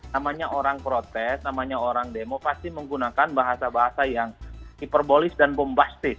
namanya orang protes namanya orang demo pasti menggunakan bahasa bahasa yang hiperbolis dan bombastis